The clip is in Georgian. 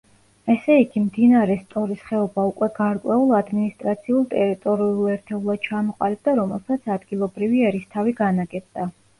ესე იგი მდინარე სტორის ხეობა უკვე გარკვეულ ადმინისტრაციულ-ტერიტორიულ ერთეულებად ჩამოყალიბდა, რომელსაც ადგილობრივი ერისთავი განაგებდა.